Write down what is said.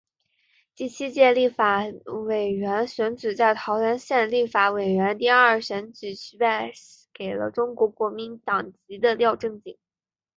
第七届立法委员选举在桃园县立法委员第二选举区败给中国国民党籍的廖正井。